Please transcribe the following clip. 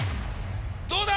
⁉どうだ